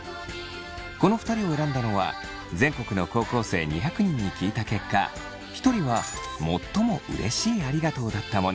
この２人を選んだのは全国の高校生２００人に聞いた結果一人は最もうれしいありがとうだったもの。